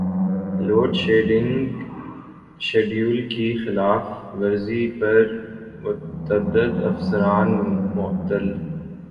load shedding schedule کی خلاف ورزی پر متعدد افسران معطل